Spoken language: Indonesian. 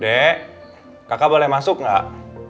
dek kakak boleh masuk nggak